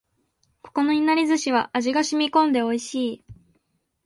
ここのいなり寿司は味が染み込んで美味しい